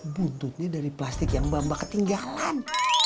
buntutnya dari plastik yang mbak mbak ketinggalan